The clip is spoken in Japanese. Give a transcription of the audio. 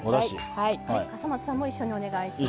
笠松さんも一緒にお願いします。